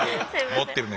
持ってるね。